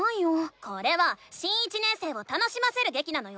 これは新１年生を楽しませるげきなのよ！